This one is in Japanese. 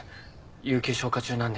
有給消化中なんで。